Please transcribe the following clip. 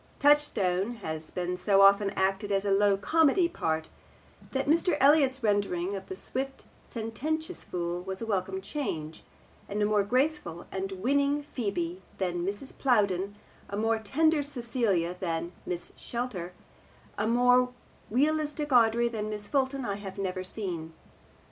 Touchstone has been so often acted as a low comedy part that Mr. Elliott's rendering of the swift sententious fool was a welcome change, and a more graceful and winning Phebe than Mrs. Plowden, a more tender Celia than Miss Schletter, a more realistic Audrey than Miss Fulton, I have never seen.